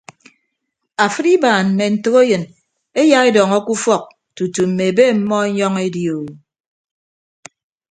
Afịd ibaan mme ntәkeyịn eya edọñọ ke ufọk tutu mme ebe ọmmọ enyọñ edi o.